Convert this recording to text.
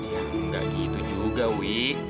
ya gak gitu juga wi